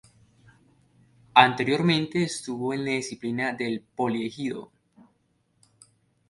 Anteriormente estuvo en la disciplina del Poli Ejido.